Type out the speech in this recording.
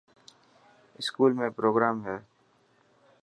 اسڪول ۾ پروگرام هي.